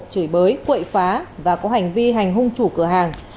chửi bới quậy phá và có hành vi hành hung chủ cửa hàng